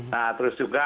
nah terus juga